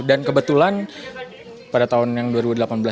dan kebetulan pada tahun yang dua ribu dua puluh saya masuk ke fakultas kedokteran